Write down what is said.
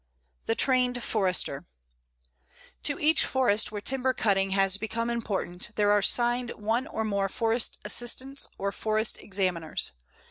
THE TRAINED FORESTER To each forest where timber cutting has become important there are assigned one or more Forest Assistants or Forest Examiners.